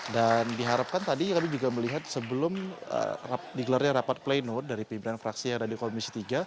dan diharapkan tadi kami juga melihat sebelum digelarnya rapat pleno dari pimpinan fraksi yang ada di komisi tiga